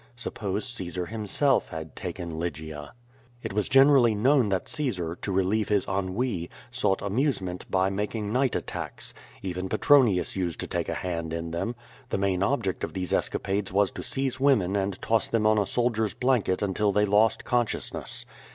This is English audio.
Suppose Caesar himself had taken Lygia? It was generally known that Caesar, to relive his ennui, sought amusement by making night attacks. Even Petronius used to take a' hand in them. The main object of these escapades was to seize women and toss them on a soldier's blanket until they lost consciousness.